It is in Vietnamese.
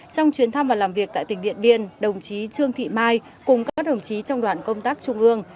trong chuyến thăm và làm việc tại tỉnh điện biên đồng chí trương thị mai cùng các đồng chí trong đoàn công tác trung ương